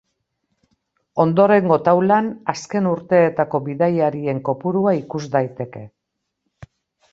Ondorengo taulan azken urteetako bidaiarien kopurua ikus daiteke.